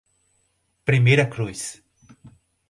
Primeira Cruz